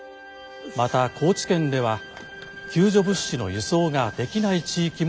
また高知県では救助物資の輸送ができない地域もあります。